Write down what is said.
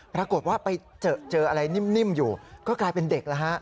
ปรากฏว่าไปเจออะไรนิ่มอยู่ก็กลายเป็นเด็กแล้วฮะ